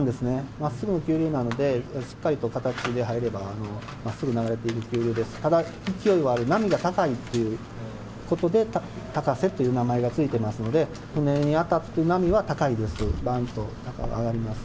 まっすぐの急流なので、しっかりとした形で入れば、まっすぐ流れていく急流ですから、ただ、勢いはある、波が高いということで、高瀬という名前が付いてますので、船に当たってる波は高いです、ばーんと高く上がります。